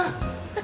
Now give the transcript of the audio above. gue duit dari mana